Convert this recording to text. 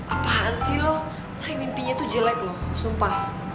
apaan sih lo tapi mimpinya tuh jelek loh sumpah